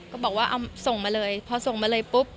ก็บอกว่าเอาส่งมาเลยพอส่งมาเลยปุ๊บ